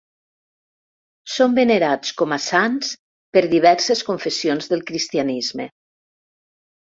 Són venerats com a sants per diverses confessions del cristianisme.